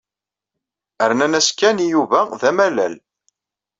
Rnan-as Ken i Yuba d amalal.